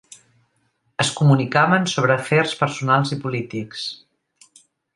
Es comunicaven sobre afers personals i polítics.